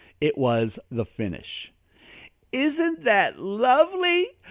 It was the finish: "Isn't that lovely?